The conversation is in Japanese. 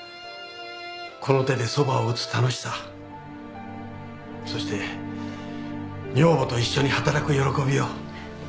この手でそばを打つ楽しさそして女房と一緒に働く喜びを。